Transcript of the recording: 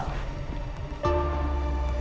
kamu akan jesel